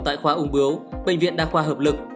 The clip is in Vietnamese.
tại khoa ung bướu bệnh viện đa khoa hợp lực